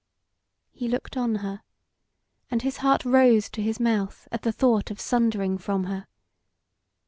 He looked on her, and his heart rose to his mouth at the thought of sundering from her.